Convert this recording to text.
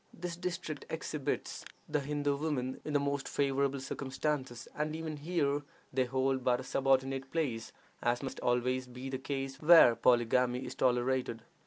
This district exhibits the Hindoo women in the most favorable circumstances, and even here they hold but a subordinate place, as must always be the case where polygamy is tolerated.